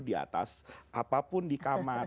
di atas apapun di kamar